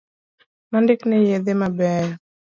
Nondikne yedhe mabeyo